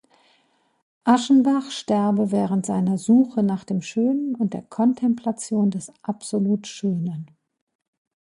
Aschenbach sterbe während seiner „Suche nach dem Schönen“ und der „Kontemplation des absolut Schönen“.